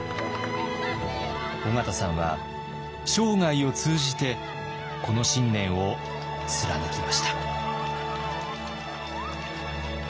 緒方さんは生涯を通じてこの信念を貫きました。